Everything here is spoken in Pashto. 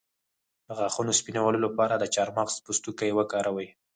د غاښونو سپینولو لپاره د چارمغز پوستکی وکاروئ